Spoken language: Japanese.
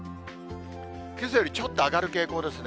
けさよりちょっと上がる傾向ですね。